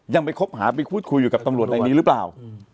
ยังไปคบหาไปพูดคุยอยู่กับตำรวจในนี้หรือเปล่า